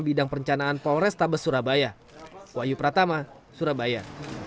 bidang perencanaan polrestabes surabaya